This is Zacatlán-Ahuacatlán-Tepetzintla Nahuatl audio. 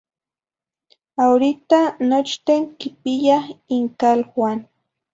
Ahorita nochten quimpiya incaluan